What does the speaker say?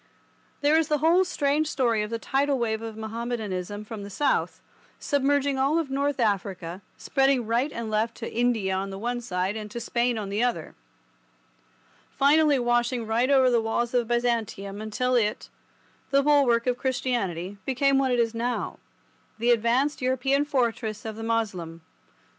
There is the whole strange story of the tidal wave of Mahommedanism from the south, submerging all North Africa, spreading right and left to India on the one side and to Spain on the other, finally washing right over the walls of Byzantium until it, the bulwark of Christianity, became what it is now, the advanced European fortress of the Moslem.